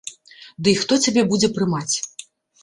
Дый хто цябе будзе прымаць.